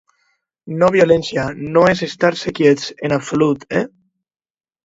No–violència no és estar-se quiets, en absolut, eh.